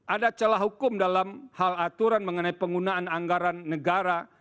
ada celah hukum dalam hal aturan mengenai penggunaan anggaran negara